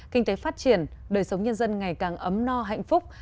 kinh tế phát triển đời sống nhân dân ngày càng ấm no hạnh phúc